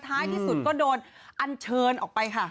ท้ายที่สุดก็โดนอันเชิญออกไปค่ะ